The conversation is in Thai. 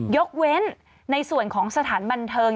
ยกเว้นในส่วนของสถานบันเทิง